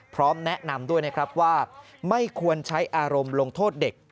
พร้อมแนะนำด้วยนะครับว่าไม่ควรใช้อารมณ์ลงโทษเด็ก